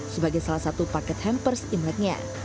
sebagai salah satu paket hampers imleknya